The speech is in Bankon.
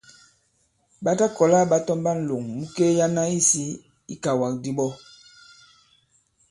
Ɓa ta kɔ̀la ɓa tɔmba ǹlòŋ mu kelyana isī ikàwàkdi ɓɔ.